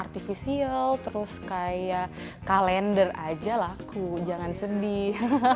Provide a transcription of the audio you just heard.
artifisial terus kayak kalender aja laku jangan sedih